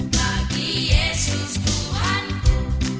bagi yesus tuhan ku